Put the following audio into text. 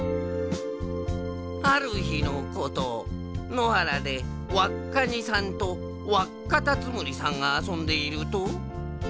あるひのことのはらでわっカニさんとわっカタツムリさんがあそんでいると。